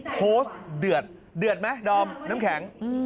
เดือดเดือดไหมดอมน้ำแข็ง